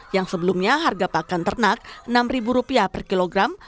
yang sebelumnya harga pakan ternak rp enam per kilogram